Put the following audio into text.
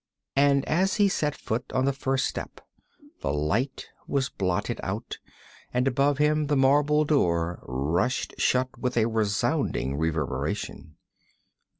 And as he set foot on the first step, the light was blotted out, and above him the marble door rushed shut with a resounding reverberation.